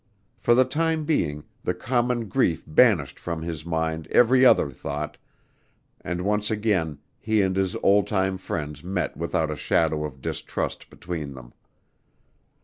For the time being, the common grief banished from his mind every other thought, and once again he and his old time friends met without a shadow of distrust between them.